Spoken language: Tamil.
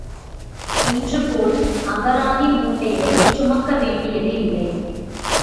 இன்றுபோல் அகராதி மூட்டையைச் சுமக்கவேண்டியதில்லை.